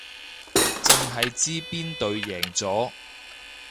淨係知邊隊贏咗